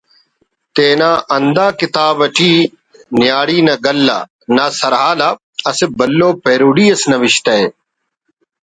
تینا ہندا کتاب اٹی ''نیاڑی نا گلہ'' نا سرحال آ اسہ بھلو پیروڈی اس نوشتہ